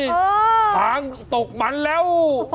เออช้างตกมันแล้ว